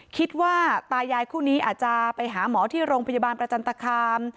คิดว่าตายายคู่นี้อาจจะไปหาหมอที่โรงพยาบาลประจันตคาม